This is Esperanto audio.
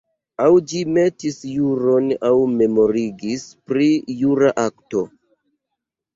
Aŭ ĝi metis juron aŭ memorigis pri jura akto.